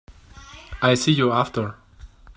I'll see you after.